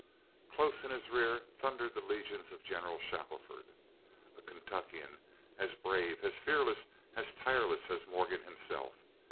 Close in his rear thundered the legions of General Shackelford, a Kentuckian as brave, as fearless, as tireless as Morgan himself.